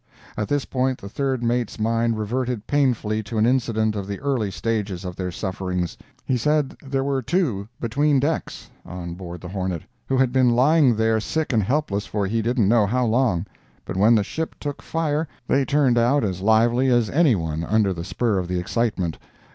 At this point the third mate's mind reverted painfully to an incident of the early stages of their sufferings. He said there were two between decks, on board the Hornet, who had been lying there sick and helpless for he didn't know how long; but when the ship took fire they turned out as lively as any one under the spur of the excitement.